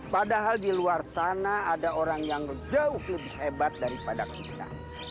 padahal di luar sana ada orang yang jauh lebih hebat daripada kita